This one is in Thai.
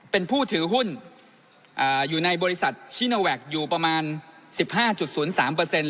เป็นผู้ถือหุ้นอ่าอยู่ในบริษัทชิโนแวกอยู่ประมาณสิบห้าจุดศูนย์สามเปอร์เซ็นต์